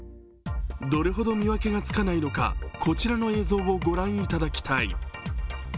どれほど見分けがつかないのか、こちらの映像をご覧いただきたい。